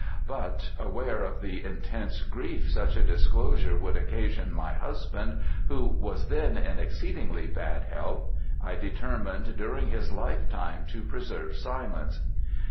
But, aware of the intense grief such a disclosure would occasion my husband, who was then in exceedingly bad health, I determined during his lifetime to preserve silence.